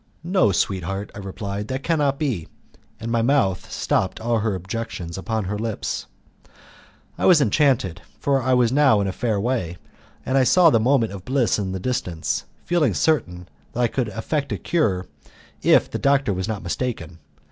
"No, sweetheart," I replied, "that cannot be." And my mouth stopped all her objections upon her lips. I was enchanted, for I was now in a fair way, and I saw the moment of bliss in the distance, feeling certain that I could effect a cure if the doctor was not mistaken.